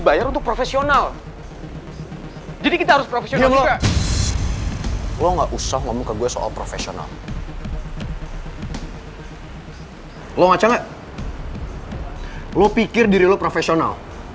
saya kerja lagi ya pak ya